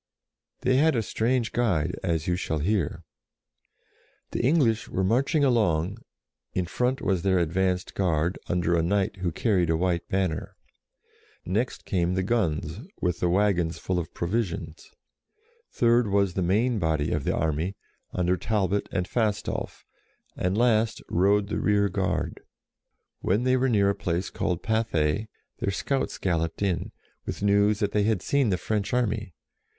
" They had a strange guide, as you shall hear. DEFEATS THE ENGLISH 59 The English were marching along, in front was their advanced guard, under a knight who carried a white banner. Next came the guns, with the waggons full of provisions. Third was the main body of the army, under Talbot and Fastolf; and last rode the rear guard. When they were near a place called Pathay, their scouts galloped in, with news that they had seen the French army.